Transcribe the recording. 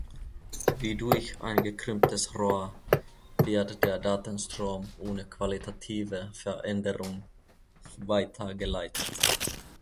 Wie durch ein gekrümmtes Rohr wird der Datenstrom ohne qualitative Veränderung weitergeleitet.